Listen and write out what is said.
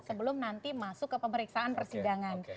sebelum nanti masuk ke pemeriksaan persidangan